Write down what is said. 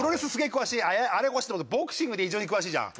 詳しいあれおかしい？と思ってボクシングに異常に詳しいじゃん。